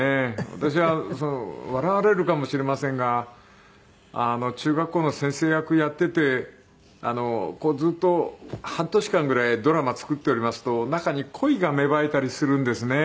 私は笑われるかもしれませんが中学校の先生役をやっていてこうずっと半年間ぐらいドラマを作っておりますと中に恋が芽生えたりするんですね。